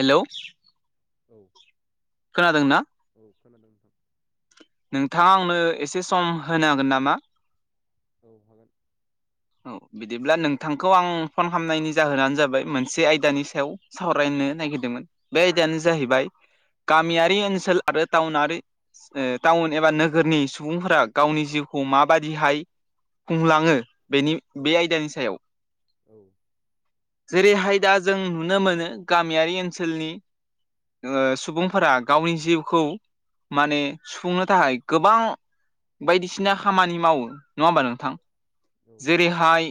Hello औ खोनादों ना औ खोनादों नोंथां नोंथाङा आंनो एसे सम होनोांगोन नामा औ हागोन। औ बिदिब्ला नोंथांखौ आं फन खालामनायनि जाहोनानो जाबाय मोनसे आयदानि सायाव सावरायनो नागिरदोंमोन बे आयदायानो औ जाहैबाय। गामियारि ओनसोल आरो टाउनारि ओ टाउन एबा नोगोरनि सुबुंफोरा गावनि जिउखौ माबादि हाय। खुंलाङोनि बेनि औ बे आयदानि सायाव। औ जेरै हाय दा जों नुनो मोनो गामियारि ओनसोलनि ओ सुबुंफोरा गावनि जिउखौ माने सुफुंनो थाखाय गोबां बायदिसिना खामानि मावो नङा होमबा नोंथां। औ रेहाय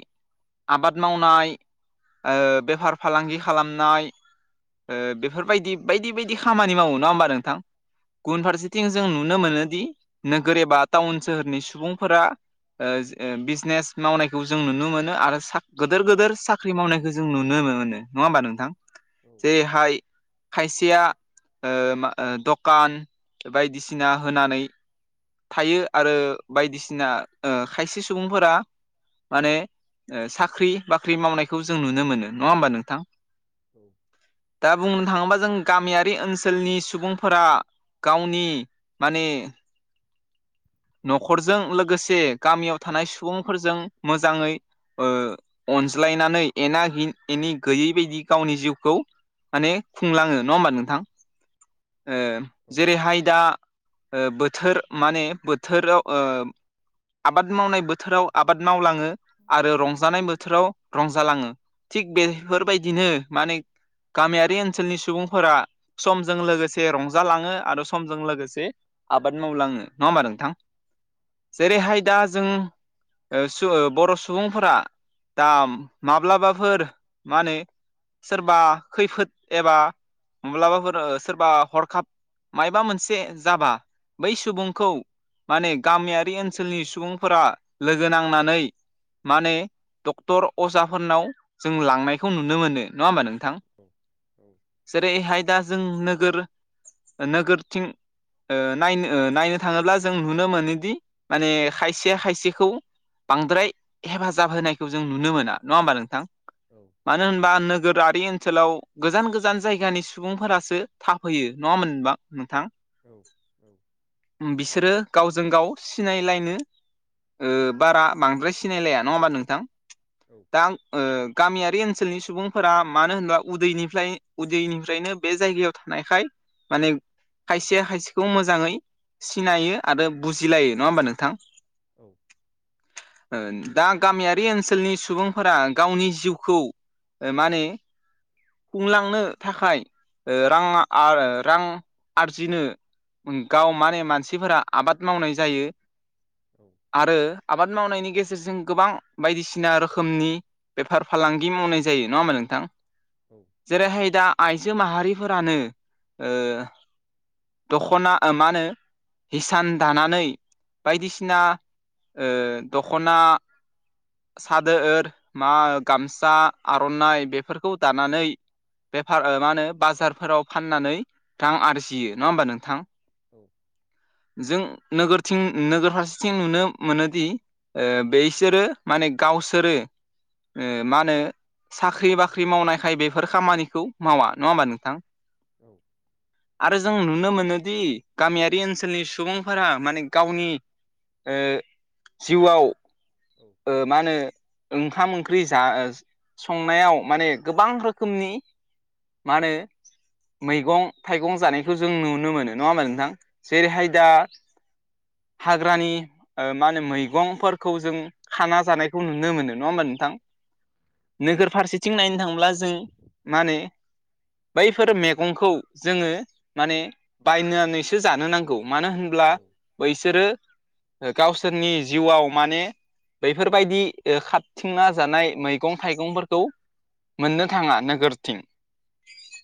आबाद मावनाय। ओ बेफार फालांगि खालामनाय। ओ बेफोरबायदि बायदि बायदि खामानि मावो नङा हबा नोंथां औ गुबुन फारसे थिं जों नुनो मोनो दि नोगोर एबा टाउन सोहोरनि सुबुंफोरा ओज ओ बिजनेस मावनायखौ जों नुनो मोनो आरो साब गोदोर गोदोर साख्रि मावनायखौ जों नुनो मोनो नङा होमबा नोंथां। औ जेरै हाय खायसेया ओ मा दखान। बायदिसिना होनानै थायो आरो बायदिसिना ओ खायसे सुबुंफोरा माने ओ साख्रि बाख्रि मावनायखौ जों नुनो मोनो नङा होमबा नोंथां। औ दा बुंनो थाङोबा जों गामियारि ओनसोलनि सुबुंफोरा गावनि माने न'खरजों लोगोसे गामियाव थानाय सुबुंफोरजों मोजाङै ओ अनज्लायनानै एना एनि गैयै बायदि गावनि जिउखौ माने खुंलाङो नङा होमबा नोंथां। ओ जेरै हाय दा ओ बोथोर माने बोथोराव ओ आबाद मावनाय बोथोराव आब बाद मावलाङो आरो रंजानाय बोथोराव रंजालाङो थिग बे फोरबायदिनो माने गामियारि ओनसोलनि सुबुंफोरा समजों लोगोसे रंजालाङो आरो समजों लोगोसे आबाद मावलाङो नङा होमबा नोंथां। जेरै हाय दा जों ओ सु बर' सुबुंफोरा दा माब्लाबाफोर मा होनो सोरबा खैफोद एबा माब्लाबाफोर सोरबा हरखाब ‌ मायबा मोनसे जाबा बै सुबुंखौ माने गामियार बि ओनसोलनि सुबुंफोरा लोगो नांनानै माने डक्टर अजाफोरनाव जों लांनायखौ नुनो मोनो नङा होमबा नों थां जेरै हाय दा जों नोगोर नोगोरथिं ओ नायनो नायनो थाङोब्ला जों नुनो मोनोदि माने खायसे खायसे खौ बांद्राय हेफाजाब होनायखौ जों नुनो मोना नङा होमबा नोंथां। औ मानो होनबा नोगोरारि ओनसोलाव गोजान गोजान जायगानि सुबुंफोरासो थाफैयो नङा होनबा मोनोनबा नोंथां औ औ बिसोरो गावजों गाव सिनायलायनो ओ‌ बारा बांद्राय सिनायलाया नङा होमबा नोंथां। औ दा ओ गामियारि ओनसोलनि सुबुंफोरा मानो होनोबाफ्राय उन्दैनिफ्राय उदैनिफ्रायनो बे जायगायाव थानायखाय माने खायसेया खायसेखौ मोजाङै सिनायो आरो बुजिलायो नङा होमबा नोंथां। औ दा गामियारि ओनसोलनि सुबुंफोरा गावनि जिउखौ मानिे खुंलांनो थाखाय रां रां आरजिनो गाव माने मानसिफोरा आबाद मावनाय जायो औ आरो आबाद मावनायनि गेजेरजों गोबां बायदिसिना रोखोमनि बेफार फालांगि मावनाय जायो नङा होमा नोंथां जेरैहाय दा आइजो माहारिफोरानो दख'ना मानो हिसान दानानै बायदिसिना बसिना दख'ना सादो मा गामसा आर'नाइ बेफोरखौ दानानै बेफार मा होनो बाजारफोराव फाननानै रां आरजियो नङा होमबा नोंथां औ जों नोगोरथिं नोगोर फारसेथिं नुनो मोनोदि बेसोरो माने गावसोरो मा होनो साख्रि बाख्रि मावनायखाय बेफोर खामानिखौ मावा नङा होमबा नोंथां औ आरो जों नुनो मोनोदि गामियारि ओनसोल ओनसोलनि सुबुंफोरा माने गावनि जिउआव औ मा होनो ओंखाम ओंख्रि जा संनायाव माने गोबां रोखोमनि मा होनो मैगं थाइगं जानायखौ जों नुनो मोनो नङाोम नोंथां जेरैहाय दा हाग्रानि मा होनो मैगंफोरखौ जों खाना जानायखौ नुनो मोनो नङा होमबा नोंथां नोगोर फारसेथिं नायनो थांब्ला जों मा होनो बैफोर मैगंखौ जोङो माने बायनानैसो जानो नांगौ मानो होनोब बैसोरो गावसोरनि जिउआव माने बैफोरबायदि खारथिंना जानाय मैगं थाइगंफोरखौ मोननो थाङा नोगोरथिं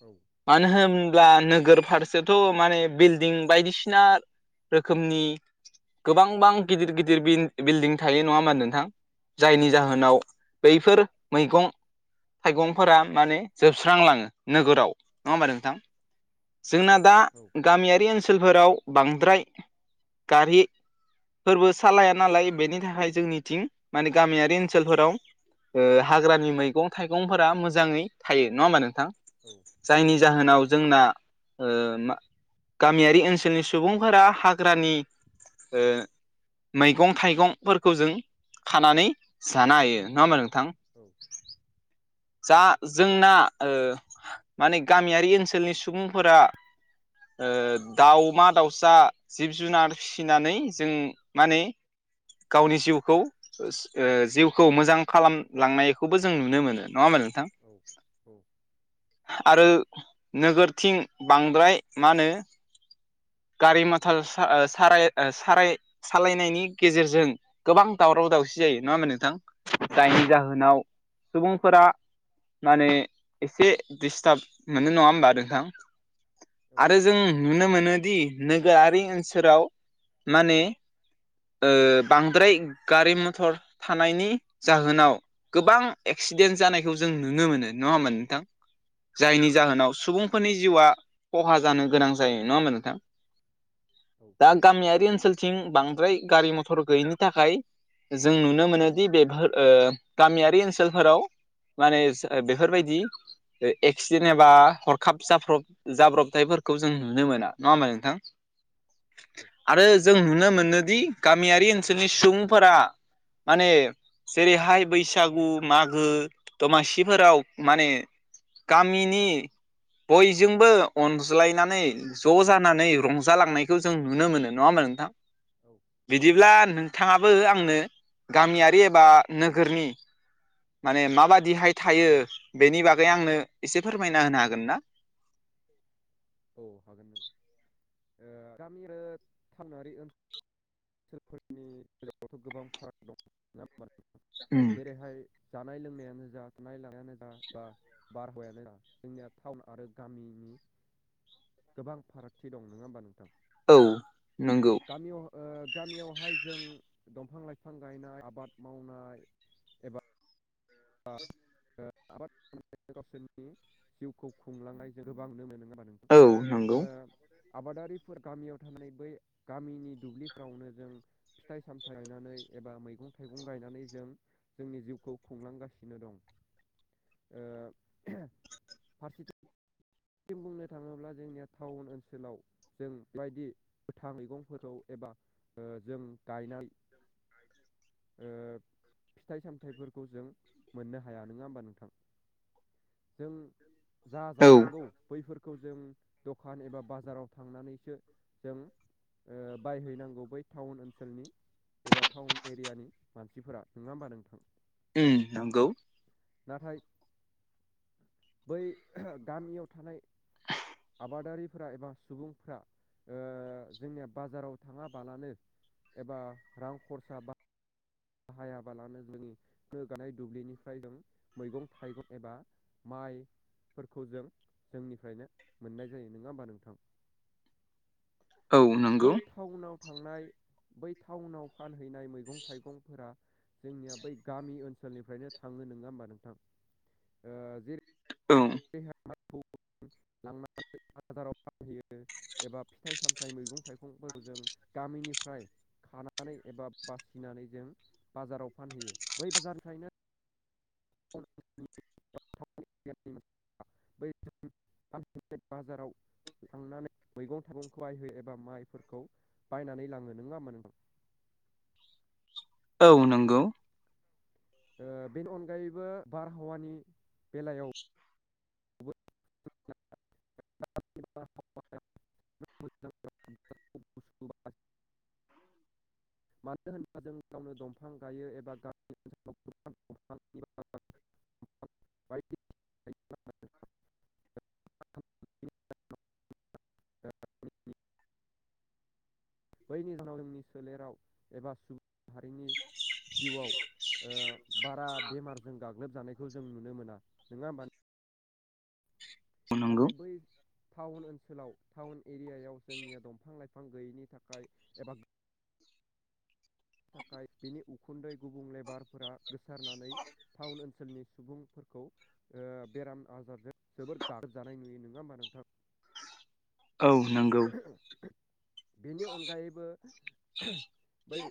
औ मानो होनब्ला नोगोर फारसेथ' माने बिलड दिं बायदिसिना रोखोमनि गोबांबां गिदिर गिदिर बिल्डिं थायो नङा होमा नोंथां जायनि जाहोनाव बैफोर मैगं थाइगंफोरा माने जोबस्रांलाङो नोगोराव नङा होमबा नोंथां जोंना दा औ गामियारि ओनसोलफोराव बांद्राय गारि फोरबो सालाया नालाय बेनि थाखाय जोंनिथिं माने गामियारि ओनसोलफोराव हाग्रानि मैगं थाइगंफोरा मोजाङै थायो नङा होमबा नोंथां औ जायनि जाहोनाव जोंना मा गामियारि ओनसोलनि सुबुंफोरा हाग्रानि मैगं थाइगंफोरखौ जों खानानै जानो हायो नङा होमबा नोंथां औ [inaudible] जा जोंना ओ माने गामियारि ओनसोलनि सुबुंफोरा ओ दाउमा दावसा जिब जुनार फिसिनानै जों माने गावनि जिउखौ जिउखौ मोजां खालामलांनायखौबो जों नुनो मोनो नङा होनबा नोंथां औ आरो नोगोरथिं बांद्राय मा होनो गारि मथर साराय साराय सालायनायनि गेजेरजों गोबां दावराव दावसि जायो नङा होनोमा नोंथां दायनि जाहोनाव नाव सुबुंफोरा माने एसे दिस्टार्ब मोनो नङा होमबा नोंथां आरो जों नुनो मोनोदि नोगोरारि ओनसोलाव माने ओ बांद्राय गारि मथर थानायनि जाहोनाव गोबां एक्सिडेन्ट जानायखौ जों नुनो मोनो नङा होनबा नोंथां जायनि जाहोनाव सुबुंफोरनि जिउआ खहा जानो गोनां जायो नङा होमबा नोंथां औ दा गामियारि ओनसोलथिं बांद्राय गारि मथर गैयिनि थाखाय जों नुनो मोनोदि बेफोर गामियारि ओनसोलफोराव माने बेफोरबायदि एक्सिडेन्ट एबा हरखाब जाब्रब जाब्रब थाइफोरखौ जों नुनो मोना नङा होनबा नोंथां आरो जों नुनो मोनोदि गामियारि ओनसोलनि सुबुंफोरा माने जेरैहाय बैसागु मागो दमासिफोराव माने गामिनि बयजोंबो अनज्लायनानै ज' जानानै रंजालांनायखौ जों नुनो मोनो नङा होनबा नोंथां औ बिदिब्ला नोंथाङाबो आंनो गामियारि एबा नोगोरनि माने माबादिहाय थायो बेनि बागै आंनो एसे फोरमायना होनो हागोन ना औ हागोन नोंथां गामि आरो थांनारि ओल ओनसोलफोरनि गेजेरावथ' गोबां फाराग दं उम जेरैहाय जानाय लोंनायानो जा थानाय लानायानो जा बा बारहावायानो जा जोंनिया टाउनानो जा गोबां फारागथि दं नङा होमबा नोंथां औ नंगौ गामियाव गामियावहाय जों दंफां लाइफां गायनाय आबाद मावनाय अ आ गावसोरनि जिउखौ खुंलांनाय ज' गोबां ननो मोन नङ हाबा औ नंगौ नोंथां आबादारिफोर गामियाव थानाय बै गामिनि दुब्लिफ्रावनो जों फिथाइ सामथायाइ गनानै एबा मैगं थाइगं गायनानै जों जोंनि जिउखौ खुंलांगासिनो द फारसे जों बुंनो थाङोब्ला जोंनिया टाउन ओनसोलाव जों बेबायदि गोथां मैगंफोरखौ एबा जों गायनाय फिथाइ सामथायाइफोरखौ जों मोननो हाया नंङा होमबा नोंथां। जों जा औ जानांगौ बैफोरखौ खौ जों दखान एबा बाजाराव थांनानैसो जों ओ बायहैनांगौ बै टाउन ओनसोलनि एबा टाउन एरियानि मानसिफोरा नङा होमबा नोंथां उम नंगौ नाथाय बै गामियाव थानाय आबादारिफ्रा एबा सुबुंफ्रा ओ जोंनिया बाजाराव थाङाबालानो एबा रां खरसा बा बाहायाबालानो जोंनि गोगानाय दुब्लिनिफ्राय जों मैगं थाइगं एबा माइफोरखौ जों जोंनिफ्रायनो मोननाय जायो ननोङा होमबा नोंथां? औ नंगौ। बै टाउनाव थांनाय बै टाउनाव फानहैनाय मैगं थाइगं जोंनिया बै गामि ओनसोलनिफ्रायनो थाङो नंङा होनबा नोंथां ओ जेरै औ देहा लांनानै बाजाराव फानहैयो एबा फिथाइ सामथाइ मैगं थाइगंफोरखौ जों गामिनिफ्राय खानानै एबा बासिनानै जों बाजाराव फानहोययो बै बाजारनिखायनो बाजाराव थांनानै मैगं थाइगंखौ आइ हो एबा माइफोरखौ बायनानै लांङो नंङा होनबा नोंथां। औ नंगौ। ओ बेनि अनगायैबो बारहावानि बेलायाव बारहावा मानो होनबा जों गावनो दंफां गायो एबा गा बायदि बायदि रोखोमनि बैनि जाहोनाव जोंनि सोलेराव एबा सुबुं माहारिनि जिउआव बारा बेमारजों गाग्लोबजानायखौ जों नुनो मोना नंङा होमबा नोंथां। नंगौ नाथाय औ बै टाउन ओनसोलाव टाउन एरियायाव जोंनिया दंफां लाइफां गैयिनि थाखाय एबा थाखाय बिनि उखुन्दै गुबुंले बारफोरा गोसारनानै टाउन ओनसोलनि सुबुंफोरखौ ओ बेराम आजारजों जोबोर गाग्लोबजानाय नुयो नंङा होमबा नोंथां। नंगौ औ नंगौ बेनि अनगायैबो बै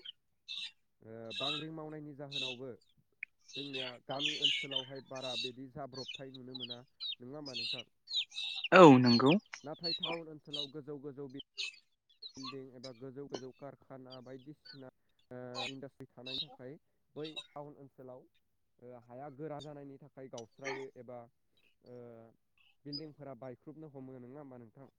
ओ बांग्रि मावनायनि जाहोनावबो जोंनिया गामि ओनसो लावहाय बारा बिदि जाब्रबथाय नुनो मोना नंङा होमबा नोंथां। औ नंगौ। नाथाय टाउन ओनसोलाव गोजौ गोजौ बिल्डिं एबा गोजौ गोजौ कारखाना बायदिसिना इन्डास्ट्रि थानायनि थाखाय बै टाउन ओनसोलाव हाया गोरा जानायनि थाखाय गावस्रायो एबा ओ बिल्डिंफोरा बायख्रुबनो हमो नंङा होमबा नोंथां।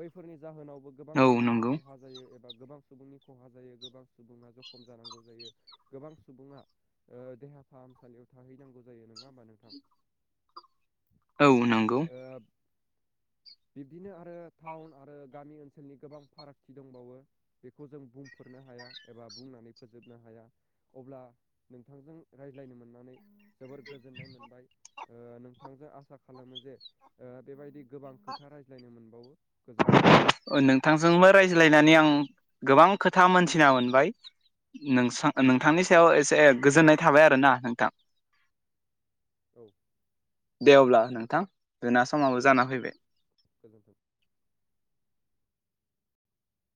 बैफोरनि जाहोनावबो गोबां औ नंगौ औ सुबुंङा खहा जायो एबा गोबां सुबुंनि खहा जायो गोबां सुबुंङा जख'म जानांगौ जायो गोबां सुबुंङा ओ देहा फाहामसालियाव थाहैनांगौ जायो नङा होमबा नोंथां? औ नंगौ। ओ बिब्दिनो आरो टाउन आरो गामि ओन सोलनि गोबां फारागथि दंबावो बेखौ जों बुंफोरनो हाया एबा बुंनानै फोजोबनो हाया। अब्ला नोंथांजों रायज्लायनो मोननानै जोबोर गोजोननाय मोनबाय ओ नोंथांजों आसा खालामो जे ओ बेबायदि गोबां खोथा रायज्लायनो मोनबावो गोजोन्थों। नोंथांजोंबो रायज्लायनानै आं गोबां खोथा मोनथिना मोनबाय नोंसा नोंथांनि सायाव एसे नोंथांनि सायाव गोजोननाय थाबाय एसे आरोना नोंथां। औ दे अब्ला नोंथां जोंना समाबो जाना फैबाय। गोजोन्थों।